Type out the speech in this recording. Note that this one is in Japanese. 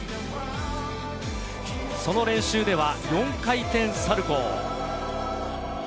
その練習では４回転サルコー。